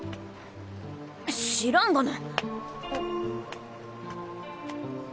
知らんがな。